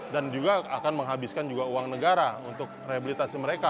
dan juga akan menghabiskan juga uang negara untuk rehabilitasi mereka